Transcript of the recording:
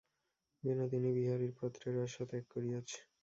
বিনোদিনী বিহারীর পত্রের আশা ত্যাগ করিয়াছে।